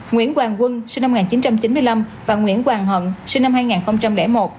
nguyễn hoàng quân sinh năm một nghìn chín trăm chín mươi năm và nguyễn hoàng hận sinh năm hai nghìn một